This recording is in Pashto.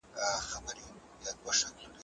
که تولیدات ښه وي خلک یې اخلي.